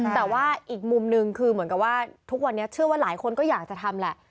แต่ว่าอีกมุมนึงคือเหมือนกับว่าทุกวันนี้เชื่อว่าหลายคนก็อยากจะทำแหละ